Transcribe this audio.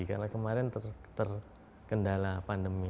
karena kemarin terkendala pandemi